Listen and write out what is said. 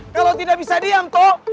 kalau tidak bisa diam kok